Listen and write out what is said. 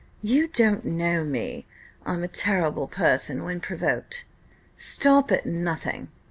You don't know me I'm a terrible person when provoked stop at nothing!"